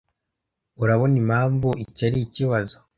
Urabona impamvu iki ari ikibazo